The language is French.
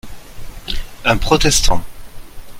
Un protestant.